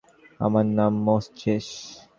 আমার নাম মোজেস।